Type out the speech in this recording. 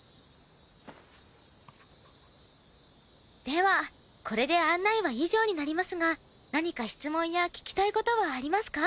ではこれで案内は以上になりますが何か質問や聞きたい事はありますか？